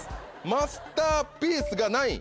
『マスターピース』が何位？